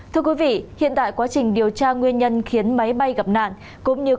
thưa quý vị hiện tại quá trình điều tra nguyên nhân khiến máy bay gặp nạn